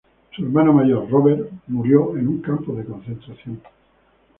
Su hermano mayor, Robert, murió en un campo de concentración.